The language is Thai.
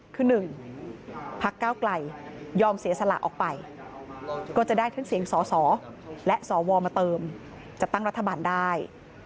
คือ๑พักเก้าไกลยอมเสียสละออกไปก็จะได้ทั้งเสียงสอสอและสวมาเติมจัดตั้งรัฐบาลได้